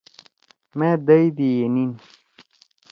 مأ دئی دی ینیِن۔